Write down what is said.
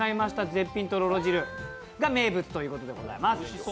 絶品とろろ汁ということでございます。